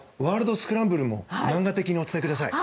スクランブルも漫画的にお伝えください。